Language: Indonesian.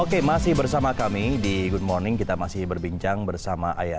oke masih bersama kami di good morning kita masih berbincang bersama ayat